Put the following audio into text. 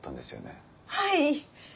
はい。